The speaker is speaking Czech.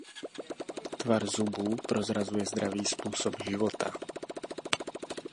Tvar zubů prozrazuje dravý způsob života.